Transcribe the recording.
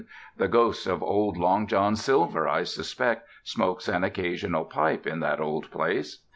The ghost of old Long John Silver, I suspect, smokes an occasional pipe in that old place.